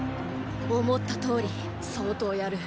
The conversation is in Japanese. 思ったとおり相当やる。